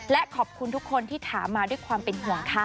และขอบคุณทุกคนที่ถามมาด้วยความเป็นห่วงค่ะ